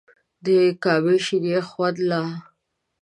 د کامې شریخ خوند لا